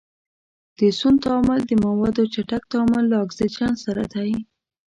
د سون تعامل د موادو چټک تعامل له اکسیجن سره دی.